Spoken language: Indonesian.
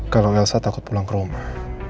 kalau elsa takut pulang ke rumah